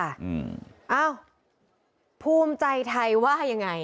อ้าวภูมิใจไทยว่ายังไง